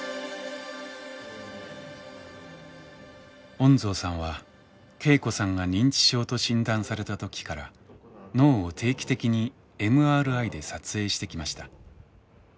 恩蔵さんは恵子さんが認知症と診断された時から脳を定期的にＭＲＩで撮影してきました。